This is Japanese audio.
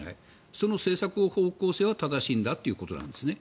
その政策の方向性は正しいんだということなんですね。